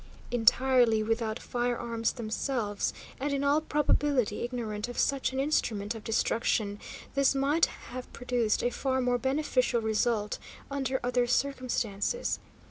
Entirely without firearms themselves, and in all probability ignorant of such an instrument of destruction, this might have produced a far more beneficial result under other circumstances.